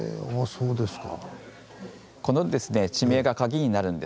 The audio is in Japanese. そうですか。